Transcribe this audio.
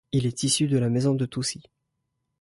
Il est issu de la Maison de Toucy.